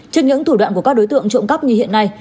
trước những thủ đoạn của các đối tượng trộm cắp như hiện nay